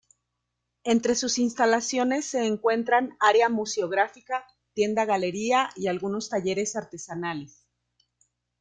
Entre sus instalaciones se encuentran área museográfica, tienda galería y algunos talleres artesanales.